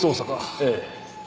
ええ。